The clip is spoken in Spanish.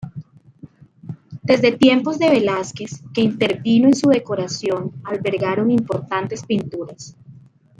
Desde tiempos de Velázquez, que intervino en su decoración, albergaron importantes pinturas.